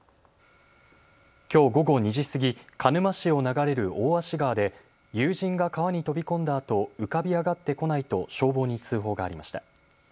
きょう午後２時過ぎ、鹿沼市を流れる大芦川で友人が川に飛び込んだあと、浮かび上がってこないと消防に通報がありました。